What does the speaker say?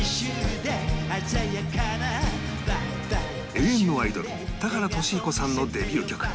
永遠のアイドル田原俊彦さんのデビュー曲